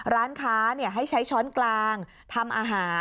ร้านค้าให้ใช้ช้อนกลางทำอาหาร